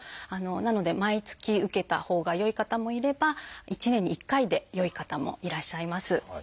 なので毎月受けたほうがよい方もいれば１年に１回でよい方もいらっしゃいます。